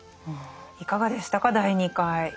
いかがでしたか第２回。